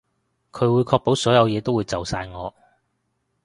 佢會確保所有嘢都會就晒我